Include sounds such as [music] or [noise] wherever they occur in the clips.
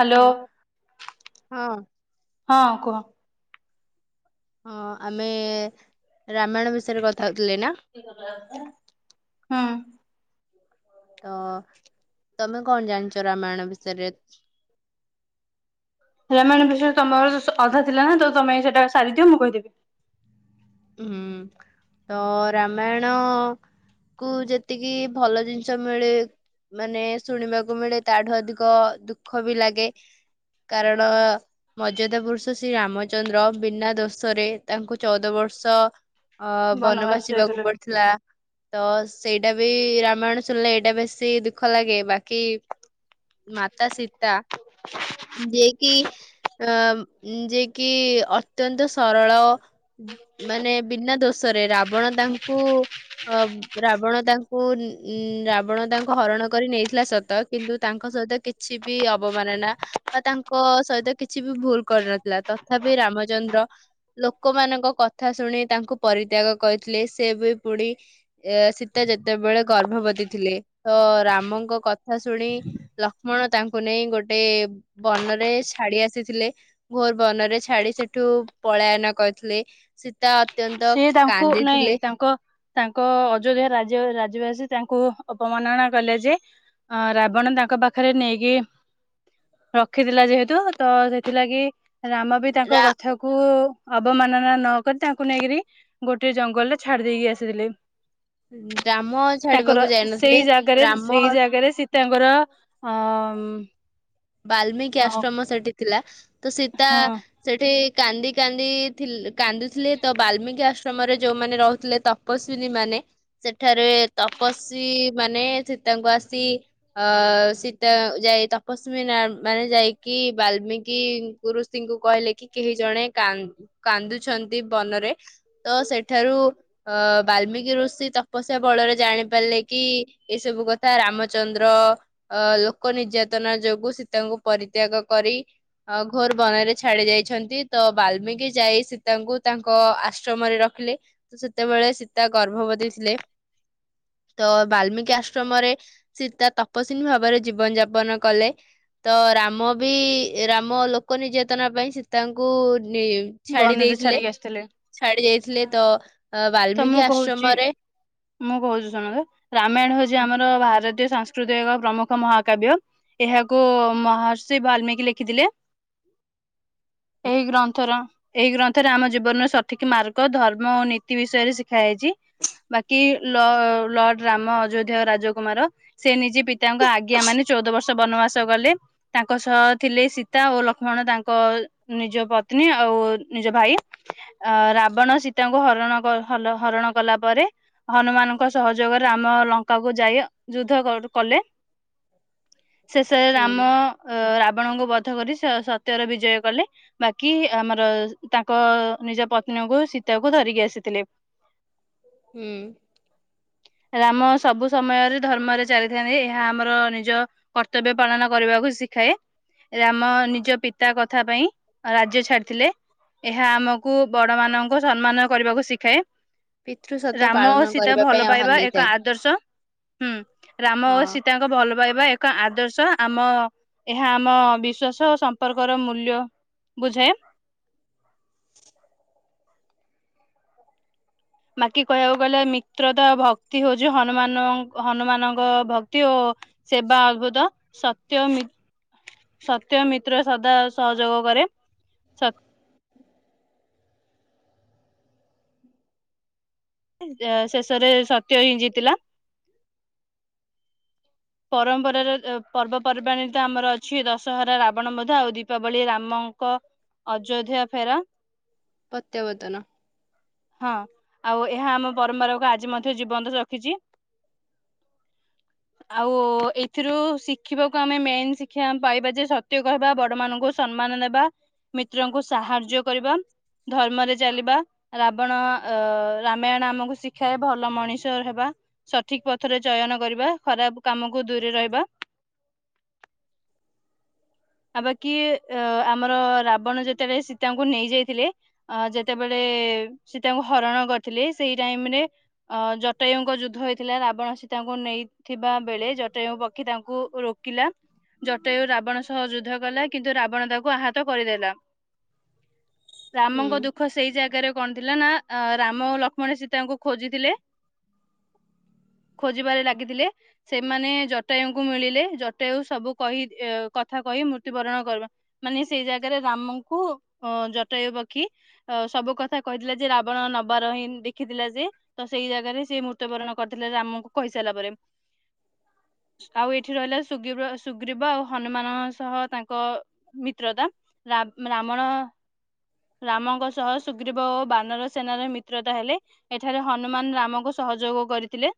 Hello ହଁ ହଁ ହଁ କୁହ। ହଁ ଆମେ ରାମାୟଣ ବିଷୟରେ କଥା ହଉଥିଲେ ନା। ହୁଁ। ତ ତମେ କଣ ଜାଣିଛ ରାମାୟଣ ବିଷୟରେ? ରାମାୟଣ ବିଷୟରେ ତମର ଅଧା ଥିଲା ନା ତମେ ସେଟା ସାରିଦିଅ ମୁଁ କହିଦେବି। ହୁଁ ତ ରାମାୟଣ। କୁ ଯେତିକି ଭଲ ଜିନିଷ ମିଳେ। ମାନେ ଶୁଣିବାକୁ ମିଳେ ତାଠୁ ଅଧିକ ଦୁଃଖ ବି ଲାଗେ। କାରଣ ମର୍ଯ୍ୟାଦା ପୁରୁଷ ଶ୍ରୀ ରାମଚନ୍ଦ୍ର ବିନା ଦୋଷରେ ତାଙ୍କୁ ଚଉଦ ବର୍ଷ ତ ଅ ବନବାସ ଯିବାକୁ ପଡିଥିଲା। ତ ସେଇଟା ବି ରାମାୟଣ ଶୁଣିଲେ ଏଇଟା ବେଶୀ ଦୁଃଖ ଲାଗେ ବାକି ମାତା ସୀତା ଯିଏ କିି ଅ ଉଁ ଯିଏ କିି ଅତ୍ୟନ୍ତ ସରଳ। [unintelligible] ମାନେ ବିନା ଦୋଷରେ ରାବଣ ତାଙ୍କୁ ଅ ବୁ ରାବଣ ତାଙ୍କୁ ଉଁ ରାବଣ ତାଙ୍କୁ ହରଣ କରି ନେଇଥିଲା ସତ କିନ୍ତୁ ତାଙ୍କ ସହିତ କି ଛି ବି ଅବମାନନା ବା ତାଙ୍କ ସହିତ କିଛି ବି ଭୁଲ କରିନଥିଲା। ତଥାପି ରାମଚନ୍ଦ୍ର ଲୋକମାନଙ୍କ କଥା ଶୁଣି ତାଙ୍କୁ ପରିତ୍ୟାଗ କରିଥିଲେ। ସେ ବି ପୁଣି ଏ ସୀତା ଯେତେବେଳେ ଗର୍ଭବତୀ ଥିଲେ ତ ରାମଙ୍କ କଥା ଶୁଣି ଲ କ୍ଷ୍ମଣ ତାଙ୍କୁ ନେଇ ଗୋଟେ ବନରେ ଛାଡି ଆସିଥିଲେ। ଘୋର ବନରେ ଛାଡି ସେଠୁ ପଳାୟନ କରିଥିଲେ। ସୀତା ଅତ୍ୟନ୍ତ ସିଏ ତାଙ୍କୁ ନାଇଁ କାନ୍ଦିଥିଲେ। ତାଙ୍କ ତାଙ୍କ ଅଯୋଧ୍ୟା ରାଜ୍ୟ ରାଜ୍ୟବାସୀ ତାଙ୍କୁ ଅପମାନନା କଲେ ଯେ ଅ ରାବଣ ତାଙ୍କ ପାଖରେ ନେଇକି ରଖିଥିଲା ଯେହେତୁ ତ ସେଥିଲାଗି ରାମ ବି ତାଙ୍କ ରା କଥାକୁ ଅବମାନନା ନ କରି ତା ଙ୍କୁ ନେଇକରି ଗୋଟେ ଜଙ୍ଗଲରେ ଛାଡି ଦେଇକି ଆସିଥିଲେ। ରାମ ତାଙ୍କର ଛାଡିବାକୁ ସେଇ ଯାଇନଥିଲେ। ଜାଗାରେ ରାମ ସେଇ ଜାଗାରେ ସୀ ତା ଙ୍କର ଅ ମ ବାଲ୍ମିକି ଆଶ୍ରମ ସେଠି ଥିଲା। ତ ସୀତା ହଁ ସେଠି କାନ୍ଦି କାନ୍ଦି ଥିଲ କାନ୍ଦିଥିଲେ ତ ବାଲ୍ମିକି ଆଶ୍ରମରେ ଯୋଉମାନେ ରହୁଥିଲେ ତ ତପସ୍ଵିନୀ ମାନେ ସେଠାରେ ତପସ୍ୱୀ ମାନେ ସୀତାଙ୍କୁ ଆସି ଅ ସୀତା ଯାଇ ତପସ୍ ସ୍ମି ନାମ ମାନେ ଯାଇକି ବାଲ୍ମିକି ଗୁରୁଷିଙ୍କୁ କହିଲେ କି କେହି ଜଣେ କା କାନ୍ଦୁଛନ୍ତି ବନରେ ତ ସେଠାରୁ ଅ ବାଲ୍ମିକି ଋଷି ତପସ୍ୟା ବଳରେ ଜାଣିପାରିଲେ କି ଏସବୁ କଥା ରାମଚନ୍ଦ୍ର ଅ ଲୋକ ନିର୍ଯାତନା ଯୋଉ ଗୁ ସୀତାଙ୍କୁ ପରିତ୍ୟାଗ କରି ଅ ଘୋର ବନରେ ଛାଡି ଯାଇଛନ୍ତି ତ ବାଲ୍ମିକି ଯାଇ ସୀତାଙ୍କୁ ତାଙ୍କ ଆସ ଶ୍ରମରେ ରଖିଲେ ତ ସେତେବେଳେ ସୀତା ଗର୍ଭବତୀ ଥିଲେ। ତ ବାଲ୍ମିକି ଆଶ୍ରମରେ ସୀତା ତପସ୍ୱିନୀ ଭାବରେ ଜୀବନ ଯାପନ କଲେ। ତ ରାମ ବି ରାମ ଲୋକ ନିର୍ଯାତନା ପାଇଁ ସୀତାଙ୍କୁ ନି ଛାଡି ବନରେ ଦେଇଥିଲେ ଛାଡିକି ଆସିଥିଲେ ଛାଡି ଦେଇଥିଲେ ତ- ତ ବାଲ୍ମିକି ମୁଁ କହୁଛି। ଆଶ୍ରମରେ ମୁଁ କହୁଛି ଶୁଣନ୍ତୁ ରାମାୟଣ ହଉଛି ଆମର ଭାରତୀୟ ସଂସ୍କୃତିର ଏକ ପ୍ରମୁଖ ମହାକାବ୍ୟ। ଏହାକୁ ମହର୍ଷି ବାଲ୍ମିକି ଲେଖିଥିଲେ। ଏହି ଗ୍ରନ୍ଥର ଏହି ଗ୍ରନ୍ଥରେ ଆମ ଜୀବନର ସଠିକ୍ ମାର୍ଗ ଧର୍ମ ଓ ନୀ ତି ବିଷୟରେ ଶିଖା ହେଇଛି। ବାକି ଲଅ ଲର୍ଡ ରାମ ଅଯୋଧ୍ୟା ଓ ରାଜକୁମାର ସେ ନିଜେ ପିତାଙ୍କ ଆଜ୍ଞା ମାନି ଚଉଦ ବର୍ଷ ବନବାସ ଗଲେ। ତାଙ୍କ ସହ ଥିଲେ ସୀତା ଓ ଲକ୍ଷ୍ମଣ ତାଙ୍କ ନିଜ ପତ୍ନୀ ଆଉ ନିଜ ଭାଇ ଆ ରାବଣ ସୀତାଙ୍କୁ ହରଣ ହ ହଲ ହରଣ କଲା ପରେ ହନୁମାନଙ୍କ ସହଯୋଗରେ ଆମ ଲଙ୍କା କୁ ଯାଇ ଯୁଦ୍ଧ କ କରୁଥିଲେ। ଶେଷରେ ରାମ ହୁଁ ରାବଣଙ୍କୁ ବଧ କରି ସ ସତ୍ୟର ବିଜୟ କଲେ। ବାକି ଆମର ତାଙ୍କ ନିଜ ପତ୍ନୀଙ୍କୁ ସୀତାକୁ ଧରିକି ଆସି [unintelligible] ହୁଁ। ରାମ ସବୁ ସମୟରେ ଧର୍ମରେ ଚାଲିଥାନ୍ତି ଏହା ଆମର ନିଜ କର୍ତ୍ତବ୍ୟ ପାଳନ କରିବାକୁ ଶିଖା ରାମ ନିଜ ପିତା କଥା ପାଇଁ ରାଜ୍ୟ ଛାଡିଥିଲେ। ଏହା ଆମକୁ ବଡ ମାନଙ୍କୁ ସମ୍ମାନ କରିବାକୁ ଶିଖାଏ। ପିତୃ ସତ ରାମ ପାଳନ ଓ ସୀତା କରିବା ପାଇଁ ଭଲ ଆହ୍ୱାନ ପାଇବା ଦେଇଥାଏ ଏକ ଆଦର୍ଶ ହୁଁ ରାମ ଓ ହଁ ସୀତା ଭଲ ପାଇବା ଏକ ଆଦର୍ଶ ଆମ ଏହା ଆମ ବିଶ୍ଵାସ ଓ ସମ୍ପର୍କର ମୂଲ୍ୟ ବୁଝେ। ବାକି କହିବାକୁ ଗଲେ ମିତ୍ରତା ଭକ୍ତି ହଉଛି ହନୁମାନ ହନୁମାନଙ୍କ ଭକ୍ତି ଓ ସେବା ଅଦ୍ଭୁତ ସତ୍ୟ ମି ସତ୍ୟ ମିତ୍ର ସଦା ସହଯୋଗ କରେ। ଜୟ ଶେଷରେ ସତ୍ୟ ହିଁ ଜିତିଲା। ପରମ୍ପରାରେ ପର୍ବପର୍ବାଣିିତ ଆମର ଅଛି ଦଶହରା ରାବଣ ବଧ ଆଉ ଦୀପାବଳି ରାମଙ୍କ ଅଯୋଧ୍ୟା ଫେରା। ପ୍ରତ୍ୟାବର୍ତ୍ତନ। ହଁ ଆଉ ଏହା ଆମ ପରମ୍ପରାକୁ ଆଜି ମଧ୍ୟ ଜୀବନ୍ତ ରଖିଛି। [inaudible] ଆଉ ଏଥିରୁ ଶିଖିବାକୁ ଆମେ ମେନ୍ ଶିକ୍ଷା ପାଇବା ଯେ ସତ୍ୟ କହିବା ବଡ ମାନଙ୍କୁ ସମ୍ମାନ ଦେବା ମିତ୍ରଙ୍କୁ ସାହାଯ୍ୟ କରିବା ଧର୍ମରେ ଚାଲିବା। ରାବଣ ଅ ରାମାୟଣ ଆମକୁ ଶିଖାଏ ଭଲ ମଣିଷ ହେବା। ସଠିକ୍ ପଥରେ ଚୟନ କରିବା ଖରାପ୍ କାମକୁ ଦୂରେ ରହିବା। [inaudible] ଆ ବାକି ଅ ଆମର ରାବଣ ଯେତେବେଳେ ସୀତାଙ୍କୁ ନେଇ ଯାଇଥିଲେ ଅ ଯେତେବେଳେ ସୀତାଙ୍କୁ ହରଣ କରିଥିଲେ ସେଇ ଟାଇମ ରେ ଅ ଜଟାୟୁଙ୍କ ଯୁଦ୍ଧ ହେଇଥିଲା ରାବଣ ସୀତାଙ୍କୁ ନେଇ ଥିବା ବେଳେ ଜଟାୟୁ ପକ୍ଷୀ ତାଙ୍କୁ ରୋକିଲା। ଜଟାୟୁ ରାବଣ ସହ ଯୁଦ୍ଧ କଲା କିନ୍ତୁ ରାବଣ ତାକୁ ଆହାତ କରିଦେଲା। [inaudible] ରାମଙ୍କ ହୁଁ ଦୁଃଖ ସେଇ ଜାଗାରେ କଣ ଥିଲା ନା ଅ ରାମ ଲକ୍ଷ୍ମଣ ସୀତାଙ୍କୁ ଖୋଜିଥିଲେ। [inaudible] ଖୋଜିବାରେ ଲାଗିଥିଲେ। ସେମାନେ ଜଟାୟୁଙ୍କୁ ମିଳିଲେ ଜଟାୟୁ ସବୁ କହି କଥା କହି ମୃତ୍ୟୁବରଣ କର ମାନେ ସେଇ ଜାଗାରେ ରାମଙ୍କୁ ଅ ଜଟାୟୁ ପକ୍ଷୀ ସବୁ କଥା କହିଥିଲା ଯେ ରାବଣ ନବାର ହିଁ ଦେଖିଥିଲା ସେ। ତ ସେଇ ଜାଗାରେ ସେ ମୃତ୍ୟୁବରଣ କରିଥିଲେ ରାମଙ୍କୁ କହିସାରିଲା ପରେ। [inaudible] ଆଉ ଏଠି ରହିଲା ସୁର୍ଗୀବ ସୁଗ୍ରୀବ ଆଉ ହନୁମାନଙ୍କ ସହ ତାଙ୍କ ମିତ୍ରତା ରାବ୍ ରାବଣ ରାମଙ୍କ ସହ [unintelligible] ବାନର ସେନାର ମିତ୍ରତା ହେଲେ। ଏଠାରେ ହନୁମାନ ରାମଙ୍କୁ ସହଯୋଗ କରିଥିଲେ।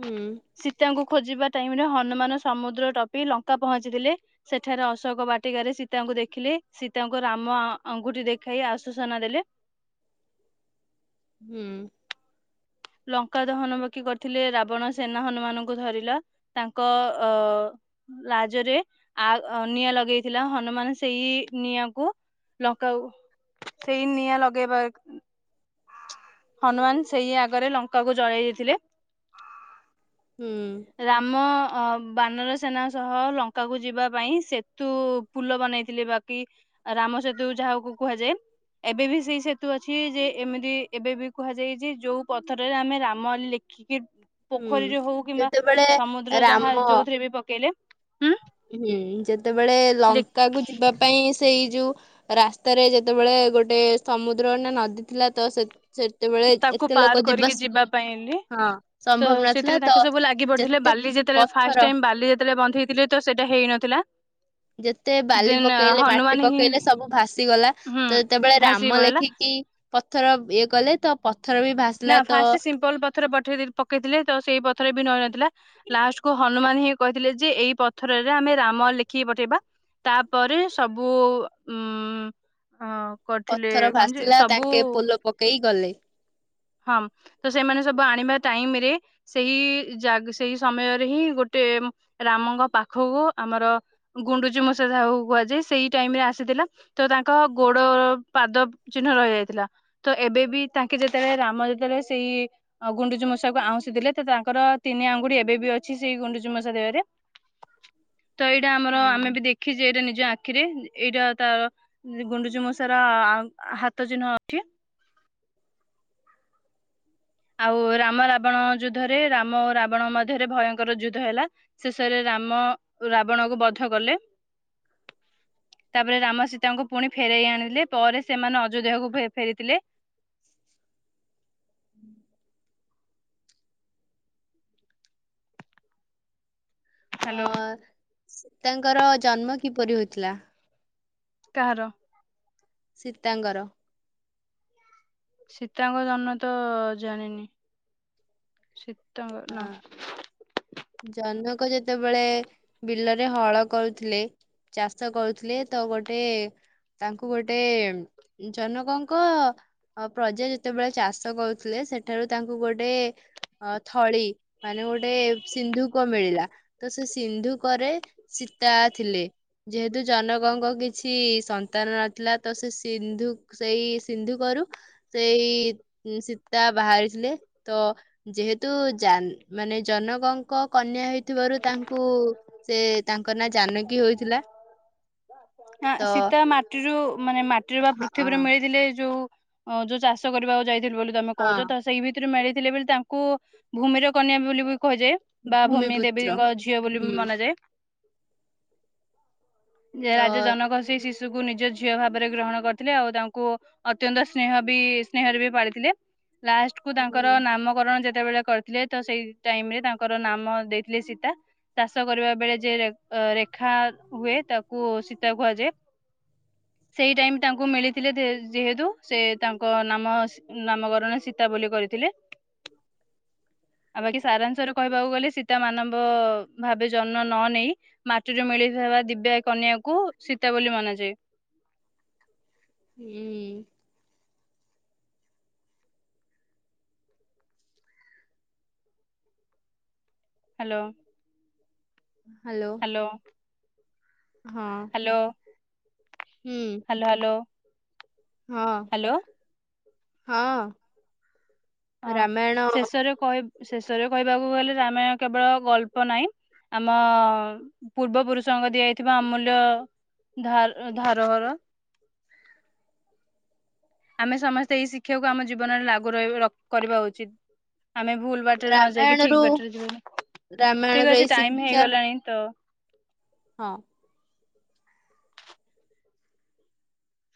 ହୁଁ। ସୀତାଙ୍କୁ ଖୋଜିବା ଟାଇମ୍ ରେ ହନୁମାନ ସମୁଦ୍ର ଟପି ଲଙ୍କା ପହଞ୍ଚିଥିଲେ। ସେଠାରେ ଅଶୋକ ବାଟିକାରେ ସୀତାଙ୍କୁ ଦେଖିଲେ ସୀତାଙ୍କୁ ରାମ ଅଙ୍ଗୁଠି ଦେ ଖାଇ ଆସୁ ସନା ଦେଲେ। ହୁଁ। ଲଙ୍କା ଦହନ ବାକି କରିଥିଲେ ରାବଣ ସେନା ହନୁମାନଙ୍କୁ ଧରିଲା। ତାଙ୍କ ଅ ଲାଜ ରେ ଆ, ନିଆଁ ଲଗେଇଥିଲା ହନୁମାନ ସେଇ ନିଆଁକୁ ଲଙ୍କାଉ ସେଇ ନିଆଁ ଲଗେଇବା ହନୁମାନ ସେଇ ଆଗରେ ଲଙ୍କା କୁ ଜଳେଇ ଦେଇଥିଲେ। ହୁଁ। ରାମ ଅ ବାନର ସେନା ସହ ଲଙ୍କା କୁ ଯିବା ପାଇଁ ସେତୁ ପୁଲ ବନେଇଥିଲେ ବାକି ରାମ ସେତୁ ଯାହାକୁ କୁହାଯାଏ। ଏବେ ବି ସେଇ ସେତୁ ଅଛି, ଯେ ଏମିତି ଏବେ ବି କୁହାଯାଇ ଯେ, ଯୋଉ ପଥର ରେ ଆମେ ରାମ ଲେଖିକି ହୁଁ ପୋଖରୀରେ ହଉ କିମ୍ବା ଯେତେବେଳେ ସମୁଦ୍ର ଯାହା ରାମ ଯୋଉଥିରେ ବି ପକେଇଲେ ହୁଁ, ଯେତେବେଳେ ଲେ ଲଙ୍କା କୁ ଯିବା ପାଇଁ ସେଇ ଯଉ ରାସ୍ତାରେ ଯେତେବେଳେ ଗୋଟେ ସମୁଦ୍ର ନା ନଦୀ ଥିଲା ତ ସେ ସେ ତାକୁ ପାର କରିକି ଯିବା ପାଇଁଲି ହଁ ତ, ସମ୍ଭବ ନଥିଲା ସେଥିରେ ତ ତାଙ୍କୁ ସବୁ ଲାଗି ପଡ଼ିଥିଲେ ଯେତେ ବାଲି ଯେ ଯେତେବେଳେ ଫାଷ୍ଟ ପଥର ଟାଇମ୍ ବାଲି ଯେତେଳେ ବନ୍ଧେଇ ଥିଲେ ତ ସେଇଟା ହେଇନଥିଲା। ଯେତେ ବାଲି ଦେନ୍ ପକେଇଲେ, ମାଟି ହନୁମାନ ହିଁ ପକେଇଲେ ସବୁ ଭାସି ଗଲା। ହୁଁ ତ, ଯେତେବେଳେ ଭାସି ରାମ ପଳେଇଲା ଲେଖିକି ପଥର ଇଏ କଲେ ତ ପଥର ବି ଭା ନା, ଫାଷ୍ଟ ସିମ୍ପଲ ପଥର ପଠେଇ ଦେଇ ପକେଇଥିଲେ ତ ସେଇ ପଥର ବି ନଇନଥିଲା। ଲାଷ୍ଟକୁୁ ହନୁମାନ ହିଁ କହିଥିଲେ ଯେ, ଏଇ ପଥରରେ ଆମେ ରାମ ଲେଖିକି ପଠେଇବା। ତାପରେ ସବୁ ଉମ୍ ହଁ। ପଥର ଭାସିଲା ତାଙ୍କେ ପୋଲ ପକେଇ ଗଲେ। ହଁ, ତ ସେମାନେ ସବୁ ଆଣିବା ଟାଇମ ରେ ସେଇ ଜାଗ ସେଇ ସମୟରେ ହିଁ, ଗୋଟେ ରାମଙ୍କ ପାଖକୁ ଆମର ଗୁଣ୍ଡୁଚି ମୂଷା ଯାହାକୁ କୁହାଯାଏ। ସେଇ ଟାଇମ ରେ ଆସିଥିଲା। ତ, ତାଙ୍କ ଗୋଡ଼ ପାଦ ଚିହ୍ନ ରହିଯାଇଥିଲା। ତ ଏବେ ବିି ତାଙ୍କେ ଯ ଯେତେବେଳେ ରାମ ଯେତେବେଳେ ସେଇ ଗୁଣ୍ଡୁଚୁ ମୂଷାକୁ ଆଉଁଶି ଦେଲେ। ତ, ତାଙ୍କର ତିନି ଆଙ୍ଗୁଡ଼ି ଏବେ ବି ଅଛି ସେଇ ଗୁଣ୍ଡୁଚୁ ମଷା ଦେହ ରେ। [inaudible] ତ, ଏଇଟା ଆମର ହଁ। ଆମେ ବି ଦେଖିଛେ ଏଇଟା ନିଜ ଆଖିରେ ଏଇଟା ତାର ଗୁଣ୍ଡୁଚି ମୂଷା ର ଆ ହାତ ଚିହ୍ନ ଅଛି? ଆଉ ରାମ, ରାବଣ ଯୁଦ୍ଧରେ ରାମ, ରାବଣ ମଧ୍ୟରେ ଭୟଙ୍କର ଯୁଦ୍ଧ ହେଲା। ଶେଷରେ ରାମ ରାବଣ କୁ ବଧ କଲେ। [inaudible] ତାପରେ, ରାମ ସୀତାଙ୍କୁ ପୁଣି ଫେରେଇ ଆଣିିଲେ ପରେ ସେମାନେ ଅଯୋଧ୍ୟାକୁ ଫେର ଫେରିଥିଲେ। ହାଲୋ। ସୀତା କର ଜନ୍ମ କିପରି ହୋଇଥିଲା? କାହାର? ସୀତା ଙ୍କ ର। ସୀତାଙ୍କ ଜନ୍ମ ତ ଜାଣିନି ସୀତାଙ୍କ ନା? ହଁ ଜନକ ଯେତେବେଳେ, ବିଲରେ ହଳ କରୁଥିଲେ। ଚାଷ କରୁଥିଲେ ତ ଗୋଟେ ତାଙ୍କୁ ଗୋଟେ ଜନକ ଙ୍କ ଅ ପ୍ରଜା ଯେତେ ବେଳେ ଚାଷ କରୁଥିଲେ ସେତେ ବେଳେ ତାଙ୍କୁ ଗୋଟେ ଅ ଥଳି ମାନେ ଗୋଟେ ସିନ୍ଧୁକ ମିଳିଲା। ତ ସେ ସିନ୍ଧୁକ ରେ ସୀତା ଥିଲେ। ଯେହେତୁ ଜନକଙ୍କ କିଛି ସନ୍ତାନ ନଥିଲା ତ ସେ ସିନ୍ଧୁ ସେଇ ସିନ୍ଧୁ କରୁ ସେଇ ସୀତା ବାହାରିଥିଲେ ତ ଯେହେତ ତୁ ଜାନ୍‌ ମାନେ ଜନକଙ୍କ କନ୍ୟା ହେଇଥିବାରୁ ତାଙ୍କୁ ସେ ତାଙ୍କ ନାଁ ଜାନକୀ ହୋଇଥିଲା। ଆ ତ ଶୀତ ମାଟିରୁ ମାନେ ମାଟିରୁ ବା ହଁ ପୃଥିବୀରେ ମିଳିଥିଲେ ଯୋଉ ହଁ ଯୋଉ ଚାଷ କରିବାକୁ ଯାଇଥିଲ ବୋଲି ତମେ କହୁଛ ହଁ ତ ସେଇ ଭିତରୁ ମିଳିଥିଲେ ବୋଲି ତାଙ୍କୁ ଭୂମିର କନ୍ୟା ବୋଲି ବି କୁହାଯାଏ। ବା ଭୂମି ଭୂମିପୁତ୍ର। ଦେବୀଙ୍କ ଝିଅ ବୋଲି ବି ହୁଁ ମନାଯାଏ। ଯେ ତ ରାଜା ଜନକ ସେଇ ଶିଶୁକୁ ନିଜ ଝିଅ ଭାବରେ ଗ୍ରହଣ କରିଥିଲେ ଆଉ ତାଙ୍କୁ ଅତ୍ୟନ୍ତ ସ୍ନେହ ବି ସ୍ନେହରେ ବି ପାଳିଥିଲେ ଲାଷ୍ଟ କୁ ତାଙ୍କର ହୁଁ ନାମକରଣ ଯେ ଯେତେବେଳେ କରିଥିଲେ ତ ସେଇ ଟାଇମରେ ତାଙ୍କର ନାମ ଦେଇଥିଲେ ସୀତା। ଚାଷ କରିବା ବେଳେ ଯେ ରେ ରେଖା ହୁଏ ତାକୁ ଶୀତା କୁହାଯାଏ। ସେଇ ଟାଇମ୍ ତାଙ୍କୁ ମିଳିଥିଲେ ଯେହେ ଯେହେତୁ ସେ ତାଙ୍କ ନାମ ନାମକରଣ ସୀତା ବୋଲି କରିଥିଲେ। [inaudible] ଆଉ ବାକି ସାରାଂଶରେ କହିବାକୁ ଗଲେ ସୀତା ମାନବ ଭାବେ ଜନ ନ ନେଇ ମାଟିରୁ ମିଳିଥିବା ଦିବ୍ୟା କନ୍ୟାକୁ ସୀତା ବୋଲି ମନାଯାଏ। ହୁଁ। ହ୍ୟାଲୋ। ହ୍ୟାଲୋ। ହ୍ୟାଲୋ। ହଁ ହ୍ୟାଲୋ ହୁଁ ହଲୋ ହଲୋ। ହଁ ହଁ। ହଁ ରାମାୟଣ ଶେଷରେ କଇବ୍ ଶେଷରେ କହିବାକୁ ଗଲେ ରାମାୟଣ କେବଳ ଗଳ୍ପ ନାହିଁ ଆମ ପୂର୍ବ ପୁରୁଷଙ୍କ ଦିଆଯାଇଥିବା ଅମୂଲ୍ୟ ଧାର ଧାର ଘର ଆମେ ସମସ୍ତେ ଏଇ ଶିକ୍ଷାକୁ ଆମ ଜୀବନରେ ଲାଗୁ ରହିବେ ର କରିବା ଉଚିତ୍‌ ଆମେ ଭୁଲ ବା ଟରେ ନ ଯାଇକି ଠିକ୍ ରାମାୟଣରୁ ବାଟରେ ଯିବନି ଠିକ୍ ରାମାୟଣରୁ ଏଇ ଅଛି ଟାଇମ୍ ଶିକ୍ଷା ହେଇଗଲାଣି ତ ହଁ।